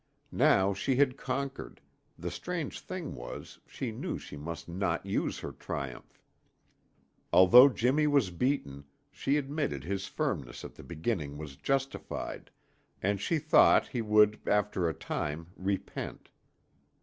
Now she had conquered, the strange thing was, she knew she must not use her triumph. Although Jimmy was beaten, she admitted his firmness at the beginning was justified, and she thought he would after a time repent.